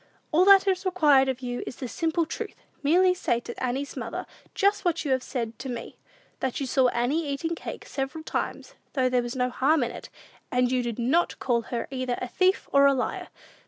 All that is required of you is the simple truth. Merely say to Annie's mother just what you have said to me; that you saw Annie eating cake several times, though there was no harm in it, and you did not call her either a thief or a liar.